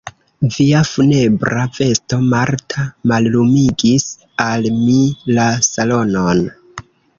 Via funebra vesto, Marta, mallumigis al mi la salonon.